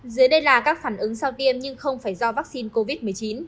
dưới đây là các phản ứng sau tiêm nhưng không phải do vaccine covid một mươi chín